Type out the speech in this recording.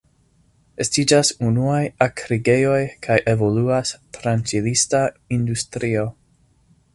Estiĝas unuaj akrigejoj kaj evoluas tranĉilista industrio.